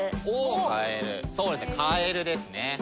そうですねカエルですね。